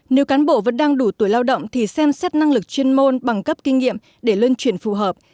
nếu cán bộ vẫn đang đủ tuổi lao động thì xem xét năng lực chuyên môn bằng cấp kinh nghiệm để lân chuyển phù hợp